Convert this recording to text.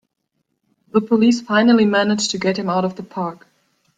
The police finally manage to get him out of the park!